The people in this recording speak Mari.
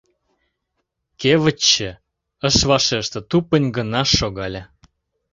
Кевытче ыш вашеште, тупынь гына шогале.